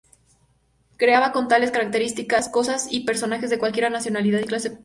Creaba, con tales características, cosas y personas de cualquier nacionalidad y clase social.